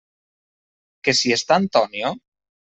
Que si està Antonio?